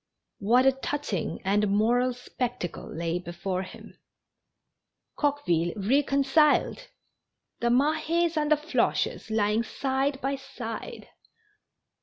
What a touching and moral spectacle lay before him ! Coqueville reconciled I The Mahes and the Floches lying side by side